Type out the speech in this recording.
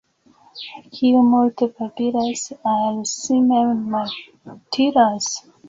Kiu multe babilas, al si mem malutilas.